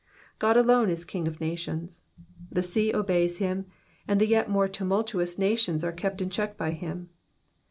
God alone is King of nations. The sea obeys him, and the yet more tumultuous nations are kept in check by him.